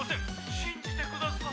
信じてください。